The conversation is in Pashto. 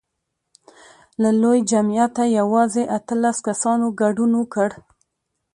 له لوی جمعیته یوازې اتلس کسانو ګډون وکړ.